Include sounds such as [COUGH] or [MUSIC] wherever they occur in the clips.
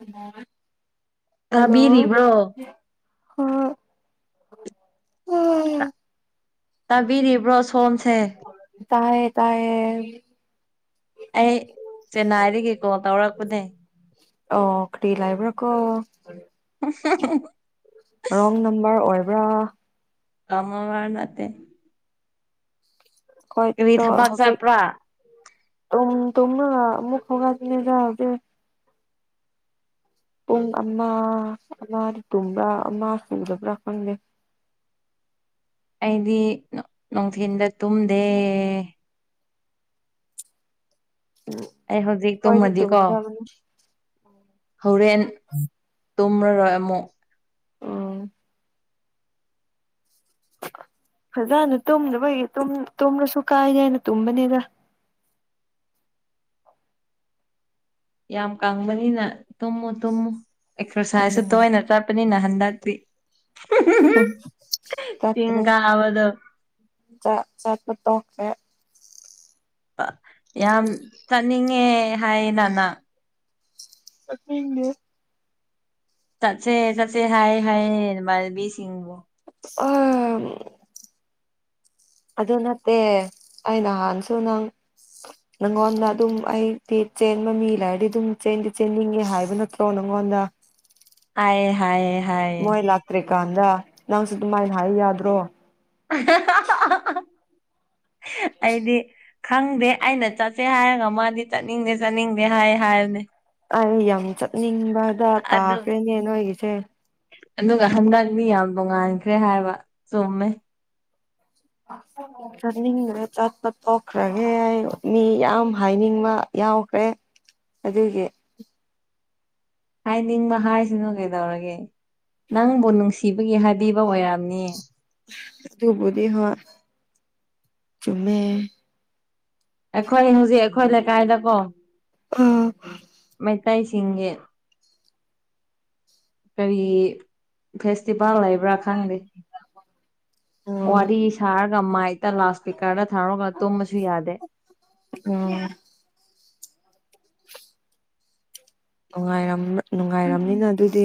ꯑ ꯇꯥꯕꯤꯔꯤꯕ꯭ꯔꯣ ꯍꫭꯏ ꯇꯥ- [INAUDIBLE] ꯇꯥꯕꯤꯔꯤꯕ꯭ꯔꯣ ꯁꯣꯝꯁꯦ ꯇꯥꯏꯌꯦ ꯇꯥꯏꯌꯦ ꯑꯩ ꯆꯦꯟꯅꯥꯏꯗꯒꯤ ꯀꯣꯜ ꯇꯧꯔꯛꯄꯅꯦ ꯑꯣ ꯀ ꯂꯥꯏꯕ꯭ꯔꯀꯣ [INAUDIBLE] ꯔꯣꯡ ꯅꯝꯕꯔ ꯑꯣꯏꯕ꯭ꯔꯥ ꯀꯃ ꯋꯥꯅꯠꯇꯦ ꯑꯩꯣꯏꯠꯇꯣ ꯊꯕꯛ ꯍꯧꯖꯤꯛ ꯆꯠꯄ꯭ꯔꯥ ꯇꯣꯝꯅ ꯃꯈꯒꯖꯤꯅꯦꯖꯗ ꯄꯨꯡ ꯑꯃ ꯑꯃ ꯇꯨꯝꯕ꯭ꯔꯥ ꯑꯃ ꯈꯪꯗꯕ꯭ꯔꯥ ꯈꯪꯗꯦ ꯑꯩꯗꯤ ꯅꯨꯡꯊꯤꯟꯗ ꯇꯨꯝꯗꯦ ꯎꯝ ꯑꯩ ꯍꯧꯖꯤꯛ ꯈꯣꯏꯗꯤ ꯇꯨꯝꯃꯗꯤꯀꯣ ꯇꯨꯝꯗ꯭ꯔꯕꯅꯤ ꯍꯣꯔꯦꯟ ꯇꯨꯝꯔꯔꯣꯏ ꯑꯃꯨꯛ ꯎꯝ [INAUDIBLE] ꯐꯖꯅ ꯇꯨꯝꯗꯅꯕꯒꯤ ꯇꯨꯝꯔꯁꯨ ꯀꯥꯏꯅꯦꯦ ꯍꯥꯏꯅ ꯇꯨꯝꯕꯅꯤꯗ [INAUDIBLE] ꯌꯥꯝ ꯀꯪꯕꯅꯤꯅ ꯇꯨꯝꯃꯨ ꯇꯨꯝꯃꯨ ꯑꯦꯛꯁꯔꯁꯥꯏꯁꯁꯨ ꯎꯝ ꯇꯣꯏꯅ ꯆꯠꯄꯅꯤꯅ ꯀꯗꯔꯤ ꯆꯥꯇꯦ ꯀꯥꯕꯗꯣ ꯆꯥꯛ ꯆꯥ ꯇ ꯑ ꯌꯥꯝ ꯆꯥꯅꯤꯡꯉꯦ ꯍꯥꯏꯅꯅ ꯑꯅꯦ ꯆꯠꯁꯦ ꯆꯠꯁꯦ ꯍꯥꯏ ꯍꯥꯏꯌꯦ ꯃꯥꯟꯕꯤꯁꯤꯡꯕꯨ ꯑ ꯑꯗꯨ ꯅꯠꯇꯦ ꯑꯩ ꯅꯍꯥꯟꯁꯨ ꯅꯪ ꯅꯪꯉꯣꯟꯗ ꯑꯗꯨꯝ ꯑꯩꯗꯤ ꯆꯦꯟꯕ ꯃꯤ ꯂꯩꯔꯗꯤ ꯑꯗꯨꯝꯗꯤ ꯆꯦꯟꯅꯤꯡꯉꯦ ꯍꯥꯏꯕ ꯅꯠꯇ꯭ꯔꯣꯅ ꯑꯩꯪꯉꯣꯟꯗ ꯍꯥꯏꯌꯦ ꯍꯥꯏꯌꯦ ꯍꯥꯏꯌꯦ ꯃꯣꯏ ꯂꯥꯛꯇ꯭ꯔꯤ ꯀꯥꯟꯗ ꯅꯪꯁꯨ ꯑꯗꯨꯃꯥꯏꯅ ꯍꯥꯏ ꯌꯥꯗ꯭ꯔꯣ [INAUDIBLE] ꯑꯩꯗꯤ ꯈꯪꯗꯦ ꯑꯩꯅ ꯆꯠꯁꯦ ꯍꯥꯏꯔꯒ ꯃꯥꯗꯤ ꯆꯠꯅꯤꯡꯗꯦ ꯆꯠꯅꯤꯡꯗꯦ ꯍꯥꯏ ꯍꯥꯏꯕꯅꯦ ꯑꯩ ꯌꯥꯝ ꯆꯠꯅꯤꯡꯕꯗ ꯑꯗꯨ ꯇꯥꯈ꯭ꯔꯦꯅꯦ ꯅꯣꯏꯒꯤꯁꯦ ꯑꯗꯨꯒ ꯍꯟꯗꯛꯅꯤ ꯌꯥꯝ ꯅꯣꯡꯉꯥꯟꯈ꯭ꯔꯦ ꯍꯥꯏꯕ ꯆꯨꯝꯃꯦ ꯆꯠꯅꯤꯡꯗ꯭ꯔꯦ ꯆꯠꯄ ꯇꯣꯛꯈ꯭ꯔꯒꯦ ꯑꯩ ꯃꯤ ꯌꯥꯝ ꯍꯥꯏꯅꯤꯡꯕ ꯌꯥꯎꯈ꯭ꯔꯦ ꯑꯗꯨꯒꯤ ꯍꯥꯏꯅꯤꯡꯕ ꯍꯥꯏꯁꯤꯅꯨ ꯀꯩꯗꯧꯔꯒꯦ ꯅꯪꯕꯨ ꯅꯨꯡꯁꯤꯕꯒꯤ ꯍꯥꯏꯕꯤꯕ ꯑꯣꯏꯔꯝꯅꯤ ꯕꯨꯗꯤ ꯍꯣ ꯆꯃꯦ ꯈꯣꯏ ꯍꯧꯖꯤꯛ ꯑꯩꯈꯣꯏ ꯂꯩꯀꯥꯏꯗꯀꯣ ꯑꯥ ꯃꯩꯇꯩꯁꯤꯡꯒꯤ ꯀꯔꯤ ꯐꯦꯁꯇꯤꯚꯦꯜ ꯂꯩꯕ꯭ꯔꯥ ꯈꯪꯗꯦ ꯑꯣ ꯑꯣ ꯋꯥꯔꯤ ꯁꯥꯔꯒ ꯃꯥꯏ ꯇ ꯂꯥꯁ ꯄꯤꯛ ꯀꯥꯔ ꯊꯥꯔꯣꯒꯇꯣꯃꯁꯨ ꯌꯥꯗꯦ ꯅꯨꯡꯉꯥꯏꯔ ꯅꯨꯡꯉꯥꯏꯔꯝꯅꯤꯅ ꯑꯗꯨꯗꯤ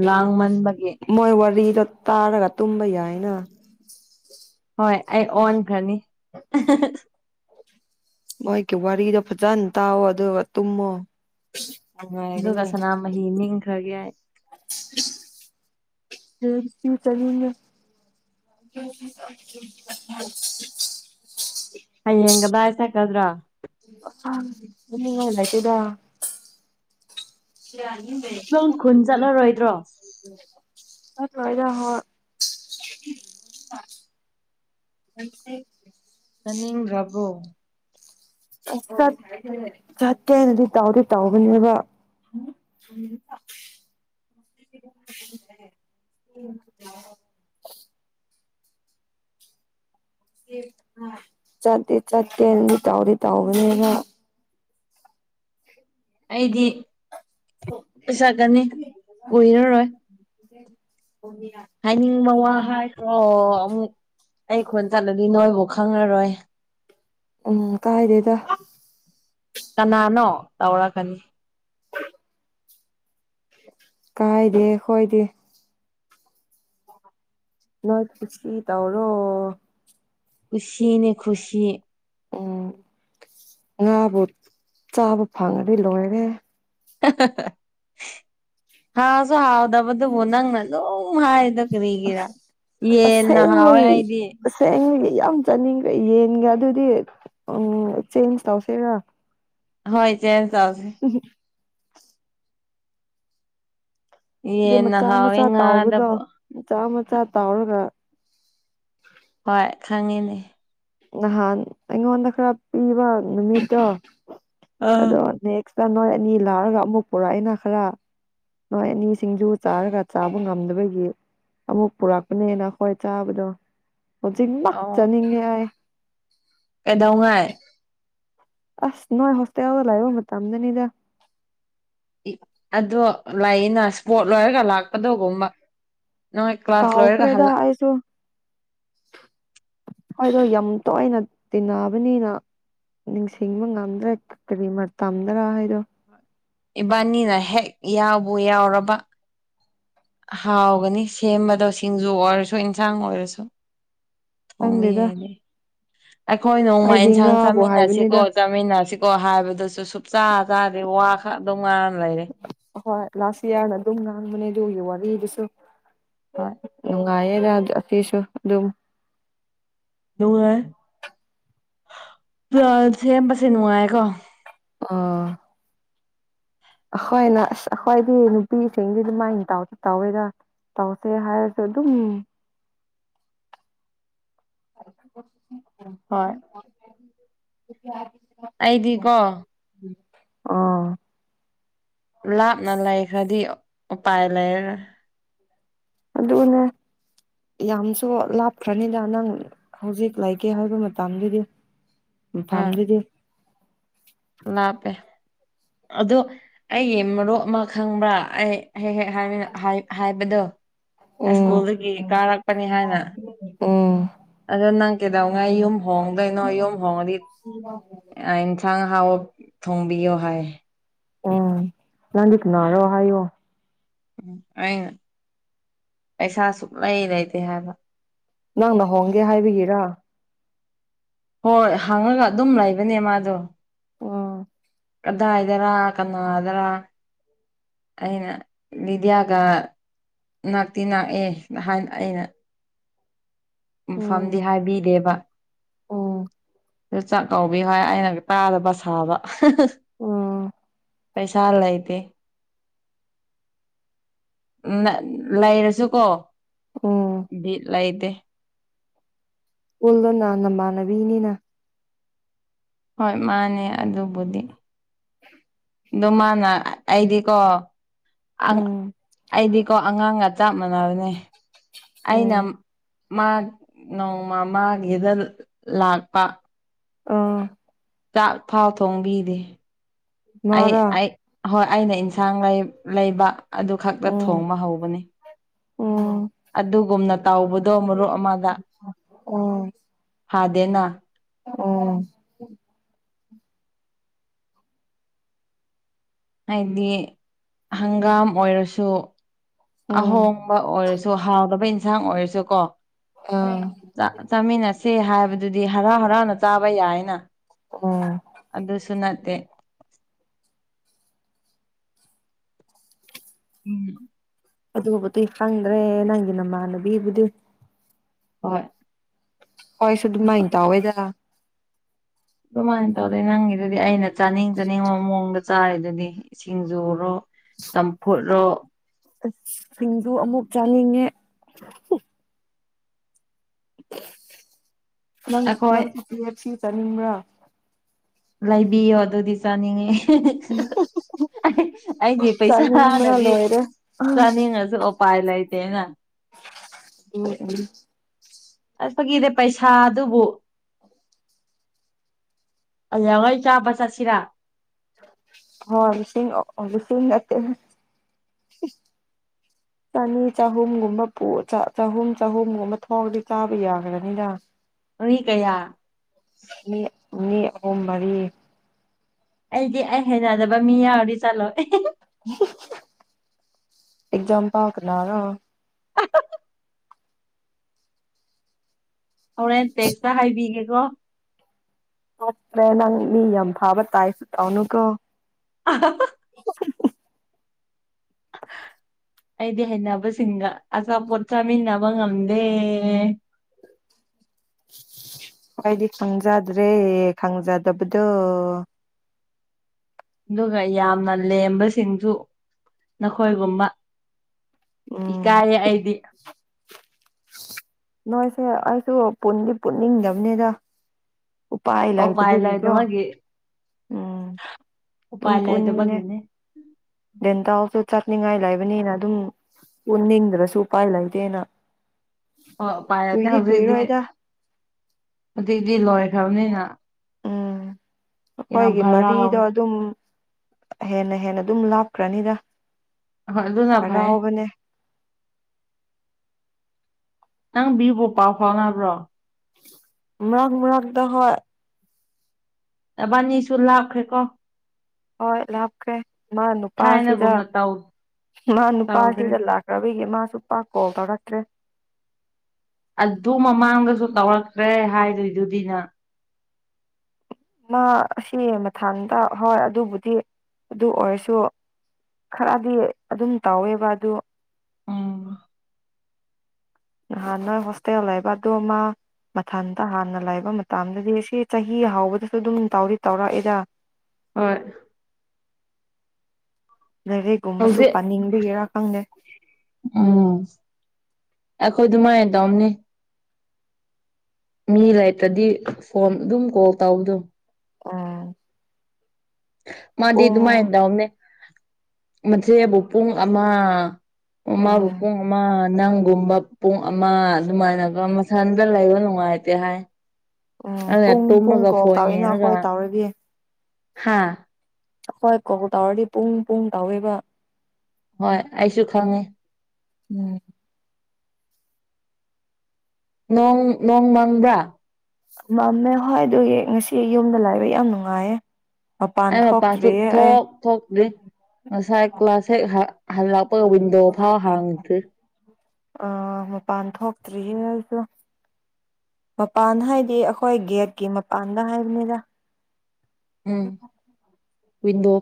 ꯂꯥꯡ ꯃ ꯃꯣꯏ ꯋꯥꯔꯤꯗ ꯇꯥꯔꯒ ꯇꯨꯝꯕ ꯌꯥꯏꯅ ꯍꯣꯏ ꯑꯩ ꯑꯣꯟꯈ꯭ꯔꯅꯤ ꯃꯣꯏꯒꯤ ꯋꯥꯔꯤꯗ ꯐꯖꯅ ꯇꯥꯎꯑꯣ ꯑꯗꯨꯒ ꯇꯨꯝꯃꯣ ꯑꯗꯨꯒ ꯁꯅꯥꯃꯍꯤ ꯅꯤꯡꯈ꯭ꯔꯒꯦ ꯐ ꯀꯨ ꯆꯦ [UNINTELLIGIBLE] [INAUDIBLE] ꯍꯌꯦꯡꯒꯗꯥꯏ ꯆꯠꯀꯗ꯭ꯔꯥ ꯍꯉꯂ [UNINTELLIGIBLE] ꯁꯤꯗꯥ ꯌꯥꯅꯤ ꯂꯩ ꯅꯪ ꯈꯨꯟ ꯆꯠꯂꯔꯣꯏꯗ꯭ꯔꯣ ꯑ ꯃ ꯌꯥ ꯍꯣ ꯅꯦ [INAUDIBLE] ꯀꯅꯤꯡ ꯔꯕꯣ ꯆꯠ ꯆꯠꯀꯦ ꯍꯥꯏꯅꯗꯤ ꯇꯥꯎꯗꯤ ꯇꯥꯎꯕꯅꯦꯕ [UNINTELLIGIBLE] [INAUDIBLE] ꯆꯠꯇꯤ ꯆꯠꯇꯦꯅꯗꯤ ꯇꯧꯗꯤ ꯇꯥꯎꯧꯕꯅꯦꯕ ꯑꯩꯗꯤ ꯆꯛꯀꯅꯤ ꯀꯣꯏꯔꯔꯣꯏ ꯍꯥꯏꯅꯤꯡꯕ ꯋꯥ ꯑꯣ ꯑꯃ ꯑꯩ ꯈꯣꯟ ꯆꯠꯂꯗꯤ ꯅꯣꯏꯕꯨ ꯈꯪꯉꯔꯣꯏ ꯎꯝ ꯀꯥꯏꯗꯦꯗ ꯀꯅꯥꯅꯣ ꯇꯧꯔꯛꯀꯅꯤ ꯀꯥꯏꯗꯦ ꯍꯣꯏꯗꯦ ꯅꯣꯏꯁꯤ ꯇꯧꯔꯣ ꯈꯨꯁꯤꯅꯤ ꯈꯨꯁꯤ ꯎꯝ ꯉꯥꯕꯨ ꯆꯥꯕ ꯐꯪꯉꯗꯤ ꯂꯣꯏꯔꯦ ꯍꯥꯎꯁꯨ ꯍꯥꯎ ꯑꯕꯗ ꯣꯅꯥꯪ ꯅ ꯑꯗꯨꯣ ꯍꯥꯏꯗ ꯀ ꯂꯩꯒꯔꯥ ꯌꯦꯟ ꯅꯍꯥꯟꯋꯥꯏ ꯑꯁꯦꯡꯕꯩ ꯍꯥꯏꯗꯤ ꯑꯁꯦꯡꯕꯒꯤ ꯌꯥꯝ ꯆꯥꯅꯤꯡꯈ꯭ꯔꯦ ꯌꯦꯟꯒ ꯑꯗꯨꯗꯤ ꯎ ꯆꯦꯟꯖ ꯇꯧꯁꯤꯦꯔ ꯍꯣꯏ ꯆꯦ ꯆꯥꯁꯦ ꯑ ꯌꯦꯟꯅ ꯃꯆꯥ ꯍꯥꯎꯋꯦ ꯃꯆꯥ ꯇꯥꯎꯕꯗꯣ ꯉꯥꯗꯕꯨ ꯃꯆꯥ ꯃꯆꯥ ꯇꯥꯎꯔꯒ ꯈꯪꯉꯤꯅꯦ ꯅꯍꯥꯟ ꯑꯩꯉꯣꯟꯗ ꯈꯔ ꯄꯤꯕ ꯅꯨꯃꯤꯠꯇꯣ ꯑꯥ ꯑꯗꯣ ꯁꯤꯗ ꯅꯣꯏ ꯑꯅꯤ ꯂꯥꯛꯔꯒ ꯑꯃꯨꯛ ꯄꯨꯔꯛꯑꯏꯅ ꯈꯔ ꯅꯣꯏ ꯑꯅꯤ ꯁꯤꯡꯖꯨ ꯆꯥꯔꯒ ꯆꯥꯕ ꯉꯝꯗꯕꯒꯤ ꯑꯃꯨꯛ ꯄꯨꯔꯛꯄꯅꯦꯅ ꯑꯩꯈꯣꯏ ꯆꯥꯕꯗꯣ ꯍꯧꯖꯤꯛꯃꯛ ꯆꯥꯅꯤꯡꯉꯦ ꯑꯩ ꯑꯦꯗꯣꯡꯉꯥꯏ ꯑꯁ ꯅꯣꯏ ꯍꯁꯇꯦꯜꯗ ꯂꯩꯕ ꯃꯇꯝꯗꯅꯤꯗ ꯑꯗꯣ ꯂꯩꯑꯅ ꯏꯁꯄꯣꯠ ꯂꯣꯏꯔꯒ ꯂꯥꯛꯄꯗꯒꯨꯝꯕ ꯀꯥꯎ ꯈ꯭ꯔꯦꯗ ꯍꯥꯏꯁꯨ ꯍꯣꯏꯗꯣ ꯌꯥꯝ ꯇꯣꯏꯅ ꯇꯤꯟꯅꯕꯅꯤꯅ ꯅꯤꯡꯁꯤꯡꯕ ꯉꯝꯗ꯭ꯔꯥ ꯀꯔꯤ ꯃꯔꯇꯝꯗ꯭ꯔꯥ ꯍꯥꯏꯔꯣ ꯏꯕꯥꯅꯤꯅ ꯍꯦꯛ ꯌꯥꯎꯕꯨ ꯌꯥꯎꯔꯕ ꯍꯥꯎꯒꯅꯤ ꯁꯦꯝꯕꯗ ꯁꯤꯡꯖꯨ ꯑꯣꯏꯔꯁꯨ ꯏꯟꯁꯥꯡ ꯑꯣꯏꯔꯁꯨ ꯊꯣꯡꯕꯤ ꯈꯪꯗꯦꯗ ꯍꯥꯏꯅꯦ ꯑꯩꯈꯣꯏ ꯅꯣꯡꯃ ꯑꯩꯗꯤ ꯏꯟꯁꯥꯡ ꯉꯥꯕꯨ ꯆꯥꯃꯤꯟꯅꯁꯤꯀꯣ ꯍꯥꯏꯕꯅꯤꯗ ꯆꯥꯃꯤꯟꯅꯁꯤ ꯀꯣ ꯍꯥꯏꯕꯗꯨꯁꯨ ꯁꯨꯛꯆꯥ ꯆꯥꯗꯔꯤ ꯋꯥ ꯈꯛ ꯑꯗꯨꯝ ꯉꯥꯡꯔ ꯂꯩꯔꯦ ꯍꯣꯏ ꯂꯥꯁ ꯏꯌꯥꯔꯅ ꯑꯗꯨꯝ ꯉꯥꯡꯕꯅꯦ ꯑꯗꯨꯒꯤ ꯋꯥꯔꯤꯂꯤꯗꯨꯁꯨ ꯍꯣꯏ ꯉꯥꯏꯔꯦꯔ ꯑꯁꯤꯁꯨ ꯑꯗꯨꯝ ꯅꯨꯡ ꯑ ꯁꯦꯝꯕꯁꯦ ꯅꯨꯡꯉꯥꯌꯦꯀꯣ ꯑ ꯑꯈꯣꯏꯅ ꯑꯁ ꯑꯈꯣꯏꯗꯤ ꯅꯨꯄꯤꯁꯤꯡꯗꯤ ꯑꯗꯨꯃꯥꯏꯟ ꯇꯥꯎꯗ ꯇꯧꯋꯦꯗ ꯇꯧꯁꯦ ꯍꯥꯏꯁꯨ ꯑꯗꯨꯝ [INAUDIBLE] [INAUDIBLE] ꯍꯣꯏ [INAUDIBLE] ꯑꯩꯗꯤꯀꯣ ꯑꯥ ꯂꯥꯞꯅ ꯂꯩꯈ꯭ꯔꯗꯤ ꯎꯄꯥꯏ ꯂꯩꯔꯦ ꯑꯗꯨꯅꯦ ꯌꯥꯝꯁꯨ ꯂꯥꯞꯈ꯭ꯔꯅꯤꯗ ꯅꯪ ꯍꯧꯖꯤꯛ ꯂꯩꯒꯦ ꯍꯥꯏꯕ ꯃꯇꯝꯗꯨꯗꯤ ꯑꯥ ꯃꯐꯥꯝꯗꯨꯗꯤ ꯂꯥꯞꯄꯦ ꯑꯗꯨ ꯑꯩꯒꯤ ꯃꯔꯨꯞ ꯑꯃ ꯈꯪꯕ꯭ꯔꯥ ꯑꯩ ꯍꯦꯛ ꯍꯦꯛ ꯍꯥꯏ ꯍꯥꯏꯕꯗꯣ ꯍꯥꯏ ꯎꯝ ꯁ꯭ꯀꯨꯜꯗꯒꯤ ꯀꯥꯔꯛꯄꯅꯤ ꯍꯥꯏꯅ ꯎꯝ ꯑꯗꯣ ꯅꯪ ꯀꯩꯗꯧꯉꯥꯏ ꯌꯨꯝ ꯍꯣꯡꯗꯣꯏꯅꯣ ꯌꯨꯝ ꯍꯣꯡꯉꯗꯤ ꯏꯟꯁꯥꯡ ꯍꯥꯎꯑꯣ ꯊꯣꯡꯕꯤꯌꯣ ꯍꯥꯏꯌꯦ ꯎꯝ ꯂꯗꯤ ꯀꯅꯥꯔꯣ ꯍꯥꯏꯌꯣ ꯎꯝ ꯑꯩꯅ ꯄꯩꯁꯥ ꯁꯨꯛꯂꯩ ꯂꯩꯇꯦ ꯍꯥꯏꯕ ꯅꯪꯅ ꯍꯣꯡꯒꯦ ꯍꯥꯏꯕꯩꯒꯤꯔ ꯍꯣꯏ ꯍꯥꯡꯉꯒ ꯑꯗꯨꯝ ꯂꯩꯕꯅꯦ ꯃꯥꯗꯣ ꯎꯝ ꯀꯗꯥꯏꯗꯔ ꯀꯅꯥꯗꯔꯥ ꯑꯏꯅ ꯕꯤꯗꯤꯌꯥꯒ ꯅꯥꯛꯇꯤ ꯅꯥꯛꯑꯦ ꯅꯍꯥꯟ ꯑꯩꯅ ꯎꯝ ꯃꯐꯝꯗꯤ ꯍꯥꯏꯕꯤꯗꯦꯕ ꯎꯝ ꯑꯗꯨ ꯆꯥꯛ ꯀꯧꯕꯤꯌꯨ ꯍꯥꯏ ꯑꯩꯅ ꯇꯥꯗꯕ ꯁꯥꯕ ꯎꯝ ꯄꯩꯁꯥ ꯂꯩꯇꯦ ꯅꯠ ꯂꯩꯔꯁꯨ ꯀꯣ ꯎꯝ ꯂꯩꯇꯦ ꯎꯜꯗꯣ ꯅ ꯅꯃꯥꯟꯅꯕꯤꯅꯤꯅ ꯍꯣꯏ ꯃꯥꯅꯦ ꯑꯗꯨꯕꯨꯗꯤ [INAUDIBLE] ꯑꯗꯨ ꯃꯥꯅ ꯑꯩꯗꯤꯀꯣ ꯑ ꯎꯝ ꯑꯩꯗꯤꯀꯣ ꯑꯉꯥꯡ ꯆꯞ ꯃꯥꯟꯅꯕꯅꯦ ꯎꯝ ꯑꯩꯅ ꯃꯥ ꯅꯣꯡꯃ ꯃꯥꯒꯤꯗ ꯂꯥꯛꯄ ꯎꯝ ꯆꯥꯛ ꯊꯥꯎ ꯊꯣꯡꯕꯤꯗꯦ ꯑꯩ ꯃꯥꯔꯥ ꯑꯩ ꯍꯣꯏ ꯑꯩꯅ ꯏꯟꯁꯥꯡ ꯂꯩ ꯂꯩꯕ ꯑꯗꯨ ꯈꯛꯇ ꯎꯝ ꯊꯣꯡꯕ ꯍꯧꯕꯅꯤ ꯎꯝ ꯑꯗꯨꯒꯨꯝꯅ ꯇꯥꯎꯕꯗꯣ ꯃꯔꯨꯞ ꯑꯃꯗ ꯎꯝ ꯐꯥꯗꯦꯅ ꯎꯝ ꯍꯥꯏꯗꯤ ꯍꯪꯒꯥꯝ ꯑꯣꯏꯔꯁꯨ ꯎꯝ ꯑꯍꯣꯡꯕ ꯑꯣꯏꯔꯁꯨ ꯍꯥꯎꯗꯕ ꯏꯟꯁꯥꯡ ꯑꯣꯏꯔꯁꯨꯀꯣ ꯑꯥ ꯆꯥꯃꯤꯟꯅꯁꯦ ꯍꯥꯏꯕꯗꯨꯗꯤ ꯍꯔꯥꯎ ꯍꯔꯥꯎꯅ ꯆꯥꯕ ꯌꯥꯏꯅ ꯑꯣ ꯑꯗꯨꯗꯁꯨꯅꯇ ꯎꯝ ꯑꯗꯨꯕ ꯇ ꯈꯪꯗ꯭ꯔꯦ ꯅꯪꯒꯤ ꯅꯃꯅꯕꯤꯕꯨꯗꯤ ꯍꯣꯏ ꯍꯣꯏꯁꯨ ꯃꯥꯏ ꯇꯋꯦꯗ ꯑꯗꯨꯃꯥꯏꯅ ꯇꯧꯗꯣꯏ ꯅꯪꯒꯤꯗꯨꯗꯤ ꯑꯩꯅ ꯆꯥꯅꯤꯡ ꯆꯥꯅꯤꯡꯕ ꯃꯑꯣꯡꯗ ꯆꯥꯔꯤꯗꯨꯗꯤ ꯏꯁꯤꯡ ꯌꯔꯣ ꯑ ꯁꯤꯡꯗꯨ ꯑꯃꯨꯛ ꯆꯥꯅꯤꯡꯉꯦ ꯅꯪ ꯑꯩꯈꯣꯏ ꯅꯪ ꯐꯤ ꯇꯤꯠ ꯁꯤ ꯆꯥꯅꯤꯡꯕ꯭ꯔꯥ ꯂꯕꯤꯌꯣ ꯑꯗꯨꯗꯤ ꯆꯥꯅꯤꯡꯉꯦ ꯑꯩꯒꯤ ꯆꯥꯅꯤꯡꯕꯅ ꯄꯩꯁꯥꯅꯗꯤ ꯂꯣꯏꯔꯦ ꯍꯣꯏ ꯆꯥꯅꯤꯡꯉꯁꯨ ꯎꯄꯥꯏ ꯂꯩꯇꯦꯅ ꯑꯣ ꯎ ꯑꯁ ꯐꯒꯤꯗꯤ ꯄꯩꯁꯥ ꯑꯗꯨꯕꯨ ꯉꯣꯏ ꯆꯥꯕ ꯆꯁꯤꯔꯥ ꯍ ꯂꯤꯁꯤꯡ ꯂꯤꯁꯤꯡ ꯅꯇ [INAUDIBLE] ꯆꯅꯤ ꯆꯍꯨꯝꯒꯨꯝꯕ ꯆꯍꯨꯝ ꯆꯍꯨꯝꯒꯨꯝꯕ ꯊꯣꯡꯑꯗꯤ ꯆꯥꯕ ꯌꯥꯈ꯭ꯔꯅꯤꯅ ꯑꯣꯏ ꯀꯌꯥ ꯑꯅꯤ ꯑꯍꯨꯝ ꯃꯔꯤ ꯑꯩꯗꯤ ꯑꯩ ꯍꯟꯅꯖꯕ ꯃꯤ ꯌꯥꯎꯔꯗꯤ ꯆꯠꯂꯣ ꯑꯦꯛꯖꯝ ꯄꯥ ꯀꯅꯥꯅ [INAUDIBLE] ꯍꯣꯔꯦꯟ ꯇꯦꯛꯁꯇ ꯍꯥꯏꯕꯤꯒꯦꯀꯣ ꯃ ꯅꯪ ꯃꯤ ꯌꯥꯝꯝꯐꯥꯕ ꯇꯥꯏꯁꯨꯇ ꯑꯣꯅꯨꯀꯣ ꯑ [INAUDIBLE] ꯑꯩꯗꯤ ꯍꯩꯅꯕꯁꯤꯡꯒ ꯑꯆꯥꯄꯣꯠ ꯆꯥꯃꯤꯟꯅꯕ ꯉꯝꯗꯦ [INAUDIBLE] ꯀꯥꯏꯗꯤ ꯈꯪꯖꯥꯗ꯭ꯔꯦ ꯈꯪꯖꯥꯗꯕꯗ ꯑꯗꯨꯒ ꯌꯥꯝꯅ ꯂꯦꯝꯕꯁꯤꯡꯁꯨ ꯅꯈꯣꯏꯒꯨꯝꯕ ꯎꯝ ꯏꯀꯥꯏꯌꯦ ꯑꯩꯗꯤ ꯅꯣꯏꯁꯦ ꯑꯩꯁꯨꯗꯤ ꯄꯨꯟꯅꯤꯡꯗꯕꯅꯤꯗ ꯎꯄꯥꯏ ꯑꯣ ꯄꯥꯏꯂꯗ ꯂꯩꯇꯕꯒꯤꯀꯣ ꯃꯥꯒꯤ ꯎꯝ ꯎꯄꯥꯥꯏ ꯂꯩꯥꯏꯗ ꯒꯤꯅꯦ ꯗꯦꯟꯇꯥꯎꯁꯨ ꯆꯠꯅꯤꯡꯉꯥꯏ ꯂꯩꯕꯅꯤꯅ ꯑꯗꯨꯝ ꯄꯨꯅꯤꯡꯗ꯭ꯔꯁꯨ ꯎꯄꯥꯏ ꯂꯩꯇꯦꯅ ꯑꯣ ꯄꯥꯏꯔꯗꯤꯦ ꯀꯨꯏꯗꯤ ꯍꯧꯖꯤꯛꯇꯤ ꯀꯨꯏꯔꯣꯏꯗ ꯍꯧꯖꯤꯛꯇꯤ ꯂꯣꯏꯈ꯭ꯔꯕꯅꯤꯅ ꯎꯝ ꯌꯥꯝ ꯑꯩꯈꯣꯏꯒꯤ ꯃꯔꯤꯗꯣ ꯍꯔꯥꯎꯋꯦ ꯑꯗꯨꯝ ꯍꯦꯟꯅ ꯍꯦꯟꯅ ꯑꯗꯨꯝ ꯂꯥꯞꯈ꯭ꯔꯅꯤꯗ ꯍꯣꯏ ꯑꯗꯨꯅ ꯐꯥꯏ ꯍꯔꯥꯎꯕꯅꯦ ꯅꯪ ꯕꯤꯕꯣ ꯄꯥ ꯐꯉꯕ꯭ꯔꯣ ꯃꯔꯛ ꯃ꯭ꯔꯥꯛꯗ ꯍꯣꯏ ꯑꯕꯥꯅꯤꯁꯨ ꯂꯥꯛꯈ꯭ꯔꯦꯀꯣ ꯍꯣꯏ ꯂꯥꯞꯈ꯭ꯔꯦ ꯃꯥ ꯅꯨꯄꯥꯁꯤꯗ ꯊꯥꯏꯅꯒꯨꯝꯅ ꯇꯧ ꯃꯥ ꯇꯧꯗ꯭ꯔꯦ ꯅꯨꯄꯥꯁꯤꯗ ꯂꯥꯛꯈ꯭ꯔꯕꯒꯤ ꯃꯥꯁꯨꯄꯥ ꯀꯣ ꯐꯔꯛꯇ꯭ꯔꯦ ꯑꯗꯨ ꯃꯃꯥꯡꯗꯁꯨ ꯇꯧꯔꯛꯈ꯭ꯔꯦ ꯍꯥꯏꯗꯣꯏꯗꯨꯗꯤꯅ ꯃꯥ ꯁꯤ ꯃꯊꯥꯡꯇ ꯍꯣꯏ ꯑꯗꯨꯕꯨꯗꯤ ꯑꯗꯨ ꯑꯣꯏꯔꯁꯨ ꯈꯔꯗꯤ ꯑꯗꯨꯝ ꯇꯧꯋꯦꯕ ꯑꯗꯨ ꯑꯥ ꯅꯍꯥꯟ ꯅꯣꯏ ꯍꯁꯦ ꯍꯂ ꯏꯕꯥꯣ ꯑꯃꯥ ꯃꯊꯟꯇ ꯍꯥꯟꯅ ꯂꯥꯏꯕ ꯃꯇꯝꯗꯗꯤ ꯁꯤ ꯆꯍꯤ ꯍꯥꯎꯕꯗꯁꯨ ꯑꯗꯨꯝ ꯇꯧꯔꯤ ꯇꯧꯔꯛꯑꯦꯗ ꯍꯣꯏ ꯂꯩꯥꯏꯔꯦꯛꯒꯨꯝꯕꯁꯨ ꯍꯧꯖꯤꯛ ꯄꯥꯅꯤꯡꯗꯒꯔꯥ ꯈꯪꯗꯦ ꯎꯝ ꯑꯩꯈꯣꯏ ꯑꯗꯨꯃꯥꯏꯅ ꯇꯧꯅꯤ ꯃꯤ ꯂꯩꯥꯏꯇ꯭ꯔꯗꯤ ꯐꯣꯟ ꯑꯗꯨꯝ ꯀꯣꯜ ꯇꯧꯕꯗꯝ ꯑꯥ ꯃꯥꯗꯤ ꯑꯗꯨꯃꯥꯏꯅ ꯇꯧꯅꯦ ꯃꯆꯦꯕꯨ ꯄꯨꯡ ꯑꯃ ꯑꯣꯃꯕꯨ ꯎꯝ ꯄꯃ ꯀꯨꯝꯕ ꯄꯨꯡ ꯑꯃ ꯑꯗꯨꯃꯥꯏꯅꯒ ꯃꯊꯟꯗ ꯂꯩꯕ ꯅꯨꯡꯉꯥꯏꯇꯦ ꯍꯥꯏ ꯎꯝ ꯑꯗꯨ ꯄꯨꯡ ꯄꯨꯡ ꯇꯨꯝꯃꯒ ꯀꯣꯜ ꯐꯣꯟ ꯇꯧꯋꯦꯅ ꯌꯦꯡꯉꯒ ꯑꯩꯈꯣꯏ ꯍꯥꯥ ꯍꯣꯏ ꯀꯣ ꯇꯧꯔꯗꯤ ꯄꯨꯡ ꯄꯨꯡ ꯇꯧꯋꯦꯕ ꯍꯣꯏ ꯑꯩꯁꯨ ꯈꯪꯉꯦ ꯎꯝ ꯅꯣꯡ ꯅꯣꯡ ꯃꯥꯡꯕ꯭ꯔꯥ ꯃꯝꯃꯦ ꯍꯣꯏ ꯑꯗꯨ ꯉꯁꯤ ꯌꯨꯝꯗ ꯂꯥꯛꯕ ꯌꯥꯝ ꯅꯨꯡꯉꯥꯏꯌꯦ ꯃꯄꯥꯟ ꯑꯩ ꯃꯄꯥꯟꯁꯨ ꯊꯣꯛꯇ꯭ꯔꯤꯌꯦ ꯑꯩ ꯊꯣꯛ ꯊꯣꯛꯇ꯭ꯔꯤ ꯉꯁꯥꯏ ꯀ꯭ꯂꯥꯁ ꯍꯦꯛ ꯍꯂꯛꯄ ꯑ ꯃꯄꯥꯟ ꯊ ꯁꯨ [INAUDIBLE] [UNINTELLIGIBLE] ꯃꯄꯥꯟ ꯍꯥꯏꯗꯤ ꯑꯩꯈꯣꯏ ꯒꯦꯠꯀꯤ ꯃꯄꯥꯟꯒ ꯍꯥꯏꯕꯅꯤꯗ ꯎꯝ ꯗꯣ